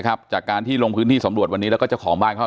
จากการที่ลงพื้นที่สำรวจวันนี้แล้วก็เจ้าของบ้านเขา